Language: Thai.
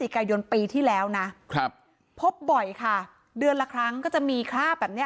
กายนปีที่แล้วนะครับพบบ่อยค่ะเดือนละครั้งก็จะมีคราบแบบเนี้ย